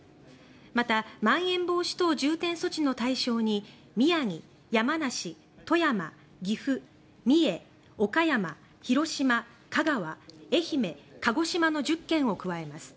またまん延防止等重点措置の対象に宮城、山梨、富山、岐阜、三重岡山、広島、香川、愛媛鹿児島の１０県を加えます。